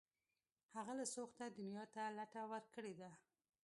هغه له سوخته دنیا ته لته ورکړې ده